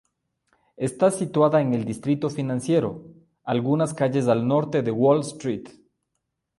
Está situada en el Distrito Financiero, algunas calles al norte de Wall Street.